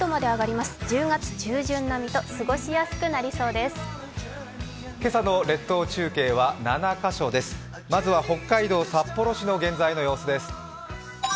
まずは北海道札幌市の現在の様子です。